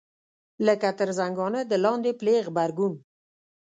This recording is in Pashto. لکه تر زنګانه د لاندې پلې غبرګون.